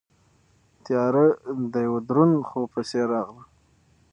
تیاره د یوه دروند خوب په څېر راغله.